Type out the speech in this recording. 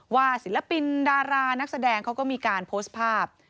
ศิลปินดารานักแสดงเขาก็มีการโพสต์ภาพ